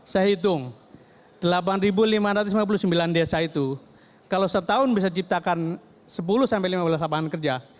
saya hitung delapan lima ratus lima puluh sembilan desa itu kalau setahun bisa ciptakan sepuluh sampai lima belas lapangan kerja